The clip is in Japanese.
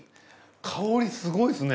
香りすごいですね。